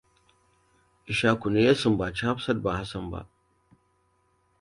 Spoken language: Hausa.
Ishaku ne ya sumbaci Hafsat, ba Hassan ba.